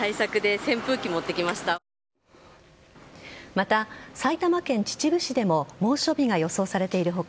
また、埼玉県秩父市でも猛暑日が予想されている他